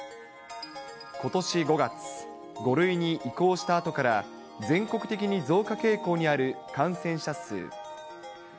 ことし５月、５類に移行したあとから全国的に増加傾向にある感染者数。